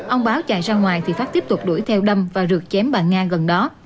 ông báo chạy ra ngoài thì pháp tiếp tục đuổi theo đâm và rượt chém bà nga gần đó